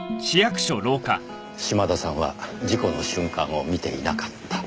島田さんは事故の瞬間を見ていなかった。